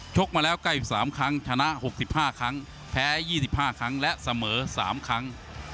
กมาแล้ว๙๓ครั้งชนะ๖๕ครั้งแพ้๒๕ครั้งและเสมอ๓ครั้ง